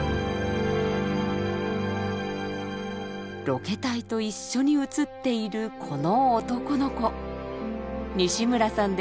ロケ隊と一緒に写っているこの男の子西村さんです。